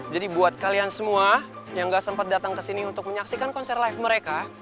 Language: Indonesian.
jadi buat kalian semua yang gak sempet datang kesini untuk menyaksikan konser live mereka